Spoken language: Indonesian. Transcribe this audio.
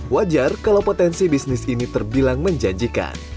wajar kalau potensi bisnis ini terbilang menjanjikan